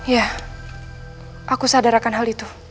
ya aku sadarkan hal itu